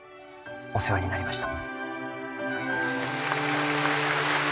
お世話になりました